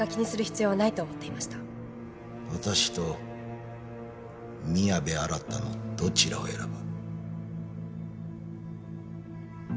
私と宮部新のどちらを選ぶ？